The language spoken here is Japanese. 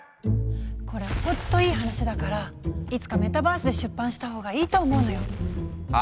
これほんといい話だからいつかメタバースで出版した方がいいと思うのよ。